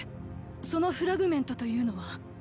そのフラグメントというのは。